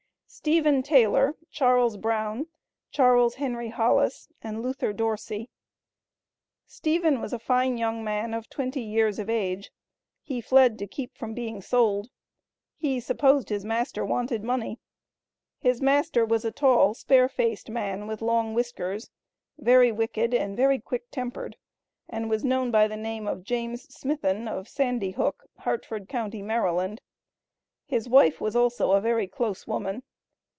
Stephen Taylor, Charles Brown, Charles Henry Hollis, and Luther Dorsey. Stephen was a fine young man, of twenty years of age; he fled to keep from being sold. He "supposed his master wanted money." His master was a "tall, spare faced man, with long whiskers, very wicked and very quick tempered," and was known by the name of James Smithen, of Sandy Hook, Harford county, Md. His wife was also a very "close woman."